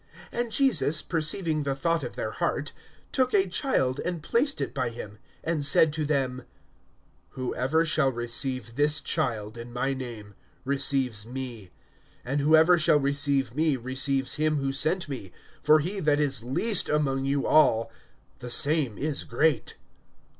(47)And Jesus, perceiving the thought of their heart, took a child and placed it by him, (48)and said to them: Whoever shall receive this child in my name, receives me; and whoever shall receive me, receives him who sent me; for he that is least among you all, the same is great.